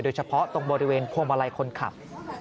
โดยเฉพาะตรงบริเวณพวงบะไลคนขับ